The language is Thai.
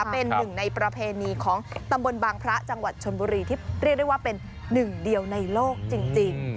เป็นหนึ่งในประเพณีของตำบลบางพระจังหวัดชนบุรีที่เรียกได้ว่าเป็นหนึ่งเดียวในโลกจริง